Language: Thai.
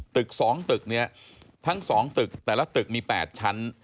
ตึก๒ตึกเนี่ยทั้ง๒ตึกแต่ละตึกมี๘ชั้น